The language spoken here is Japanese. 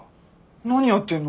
何やってんの？